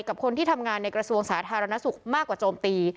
กับคนที่ทำงานในกระทรวงสาธารณสุขมากกว่าโจมตี